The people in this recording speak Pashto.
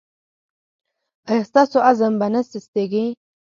ایا ستاسو عزم به نه سستیږي؟